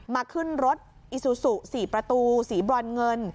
มาขึ้นรถอิสุสุสี่ประตูสี่บรรเงิน